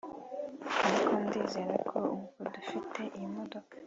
ariko ndizera ko ubwo dufite iyi modoka